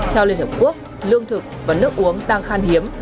theo liên hợp quốc lương thực và nước uống đang khan hiếm